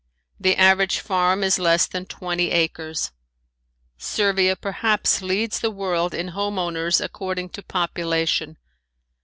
The average farm is less than twenty acres. Servia perhaps leads the world in home owners according to population.